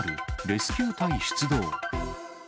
レスキュー隊出動。